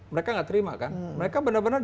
mereka nggak terima kan mereka benar benar